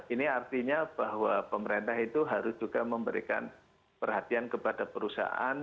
ini artinya bahwa pemerintah itu harus juga memberikan perhatian kepada perusahaan